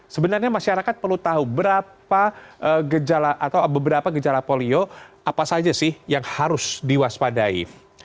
sebenarnya masyarakat perlu tahu beberapa gejala polio apa saja sih yang harus diwaspadai